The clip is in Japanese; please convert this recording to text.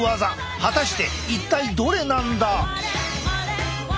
果たして一体どれなんだ？